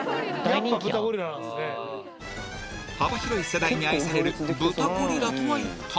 幅広い世代に愛される「ブタゴリラ」とは一体？